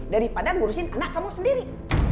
daripada ngurusin anak kamu sendiri